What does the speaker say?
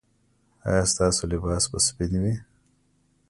ایا ستاسو لباس به سپین وي؟